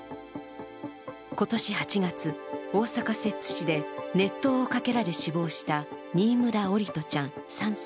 今年８月、大阪・摂津市で熱湯をかけられ死亡した新村桜利斗ちゃん３歳。